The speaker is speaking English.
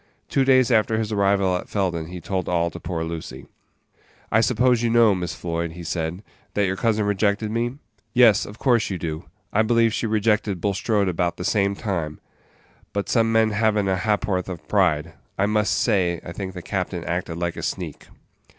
Two days after his arrival at Felden he told all to poor Lucy. "I suppose you know, Miss Floyd," he said, "that your cousin rejected me? Yes, of course you do; I believe she rejected Bulstrode about the same time; but some men have n't a ha'porth of pride; I must say I think the captain acted like a sneak."